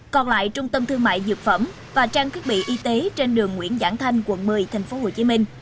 còn lại trung tâm thương mại dược phẩm và trang kết bị y tế trên đường nguyễn giãn thanh quận một mươi thành phố hồ chí minh